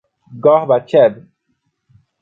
Gorbachev